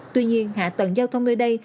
tuy nhiên hạ tầng giao thông nơi đây